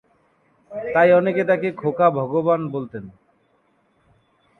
তাই অনেকে তাকে 'খোকা ভগবান' বলতেন।